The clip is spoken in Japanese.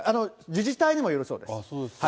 自治体にもよるそうです。